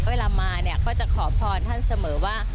เวลามาเนี่ยก็จะขอพรท่านเสมอว่า